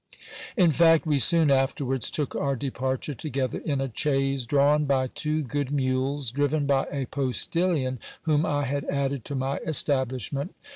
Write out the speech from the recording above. In fact, we soon afterwards took our departure together, in a chaise drawn by two good mules, driven by a postillion whom I had added to my establish ment.